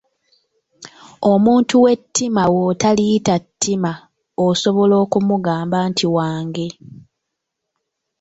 Omuntu ow’ettima bw'otaliyita ttima, osobola okumugamba nti wa nge.